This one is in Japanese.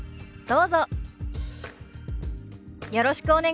どうぞ。